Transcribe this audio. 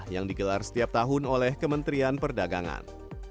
yang digelar setiap tahun oleh kementerian perdagangan